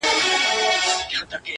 هغه په تېښته پهلوان د سورلنډیو لښکر!